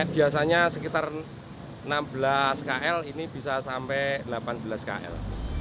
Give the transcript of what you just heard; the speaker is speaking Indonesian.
biasanya sekitar enam belas kl ini bisa sampai delapan belas kl